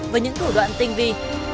với những thủ đoạn tinh vi